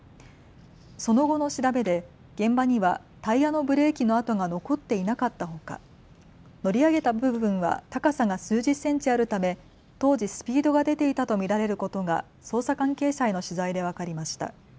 その後の調べで現場にはタイヤのブレーキの跡が残っていなかったほか乗り上げた部分は高さが数十センチあるため当時、スピードが出ていたと見られることが捜査関係者への取材で分かりました。